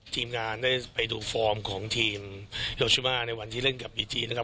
ทีมงานได้ไปดูฟอร์มของทีมโลชิมาในวันที่เล่นกับบีจีนะครับ